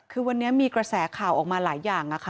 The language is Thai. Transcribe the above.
คือวันนี้มีกระแสข่าวออกมาหลายอย่าง